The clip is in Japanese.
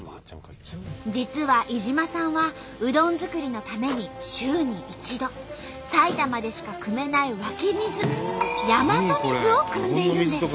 実は井島さんはうどん作りのために週に一度埼玉でしかくめない湧き水日本水をくんでいるんです。